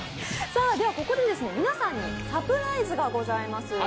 ここで皆さんにサプライズがございます。